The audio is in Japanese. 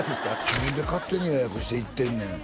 「自分で勝手に予約して行ってんねん」